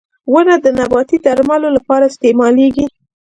• ونه د نباتي درملو لپاره استعمالېږي.